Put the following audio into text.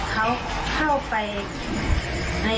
แต่ตอนที่ว่าบีบี